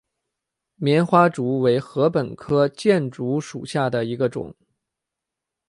棉花竹为禾本科箭竹属下的一个种。